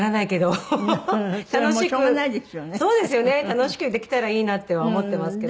楽しくできたらいいなとは思ってますけど。